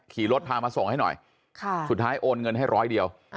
ขี่รถพามาส่งให้หน่อยสุดท้ายโอนเงินให้ร้อยเดียว